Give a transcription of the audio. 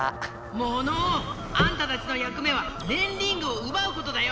モノオ！あんたたちのやく目はねんリングをうばうことだよ！